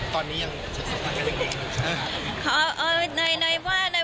ตอนนี้ยังสัมพันธ์กันยังไง